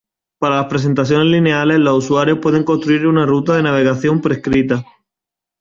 Para las presentaciones lineales, los usuarios pueden construir una ruta de navegación prescrita.